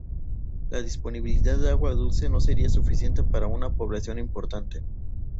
La disponibilidad en agua dulce no sería suficiente para una población importante.